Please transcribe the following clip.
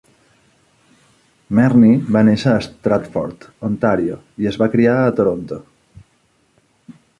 Marni va néixer a Stratford, Ontario i es va criar a Toronto.